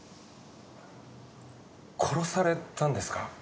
殺されたんですか？